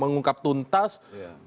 mengungkap tentang apa